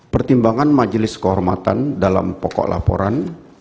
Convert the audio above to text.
pertimbangan majelis kehormatan dalam pokok laporan